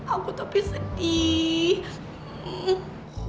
aku tapi sedih